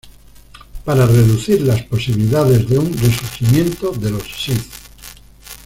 Para reducir las posibilidades de un resurgimiento de los Sith.